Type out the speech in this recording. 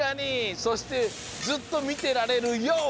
そしてずっとみてられるＹＯ！